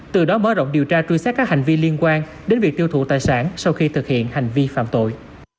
từ đó mở rộng điều tra truy xét các hành vi liên quan đến việc tiêu thụ tài sản sau khi thực hiện hành vi phạm tội